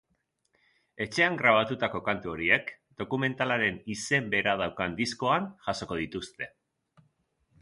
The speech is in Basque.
Etxean grabatutako kantu horiek dokumentalaren izen bera daukan diskoan jasoko dituzte.